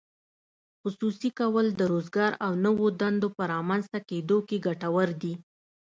خصوصي کول د روزګار او نوو دندو په رامینځته کیدو کې ګټور دي.